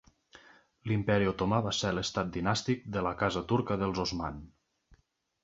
L"Imperi otomà va ser l"estat dinàstic de la Casa turca dels Osman.